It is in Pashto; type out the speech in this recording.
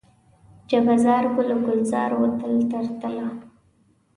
جبه زار، ګل و ګلزار و تل تر تله